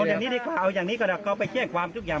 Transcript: เอาอย่างนี้ดีกว่าเอาอย่างนี้ก็ได้เขาไปเชี่ยงความทุกอย่าง